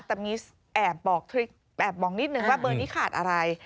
แต่มีแอบบอกแอบบอกนิดนึงว่าเบอร์นี้ขาดอะไร